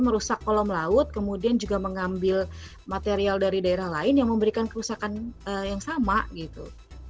merusak kolom laut kemudian juga mengambil material dari daerah lain yang memberikan kerusakan yang sama gitu